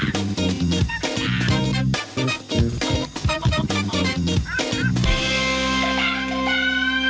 สุดท้าย